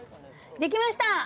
できました！